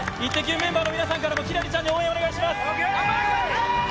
メンバーの皆さんからも、輝星ちゃんに応援お願いします。